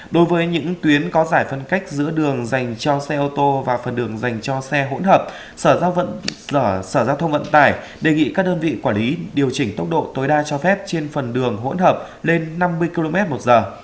đối với những tuyến có giải phân cách giữa đường dành cho xe ô tô và phần đường dành cho xe hỗn hợp sở giao sở giao thông vận tải đề nghị các đơn vị quản lý điều chỉnh tốc độ tối đa cho phép trên phần đường hỗn hợp lên năm mươi km một giờ